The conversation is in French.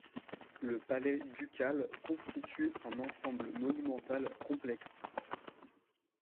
Le Palais Ducal constitue un ensemble monumental complexe.